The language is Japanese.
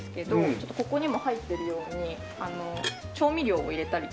ちょっとここにも入ってるように調味料を入れたりとか。